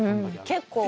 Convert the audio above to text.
結構。